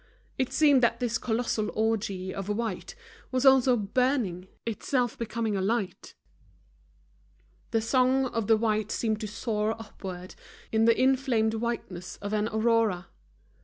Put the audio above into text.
It seemed that this colossal orgy of white was also burning, itself becoming a light. The song of the white seemed to soar upward in the inflamed whiteness of an aurora.